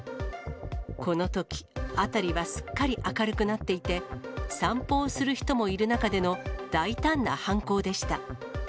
このとき、辺りはすっかり明るくなっていて、散歩をする人もいる中での大胆な犯行でした。